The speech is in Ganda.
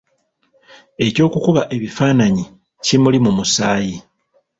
Eky’okukuba ebifaananyi kimuli mu musaayi.